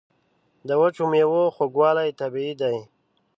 د وچو میوو خوږوالی طبیعي دی.